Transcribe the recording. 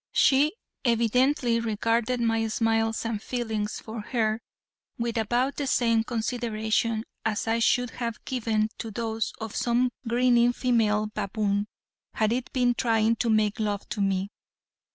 She evidently regarded my smiles and feelings for her with about the same consideration as I should have given to those of some grinning female baboon had it been trying to make love to me.